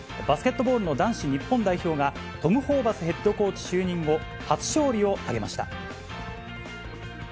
バスケットボールの男子日本代表が、トム・ホーバスヘッドコーチ就任後、初勝利を挙げました。